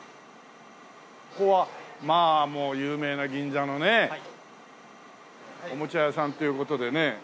ここはまあもう有名な銀座のねおもちゃ屋さんという事でね。